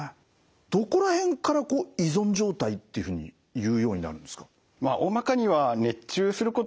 どこら辺から依存状態っていうふうにいうようになるんですか？